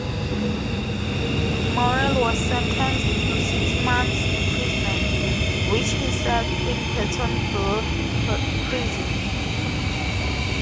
Morel was sentenced to six months' imprisonment, which he served in Pentonville Prison.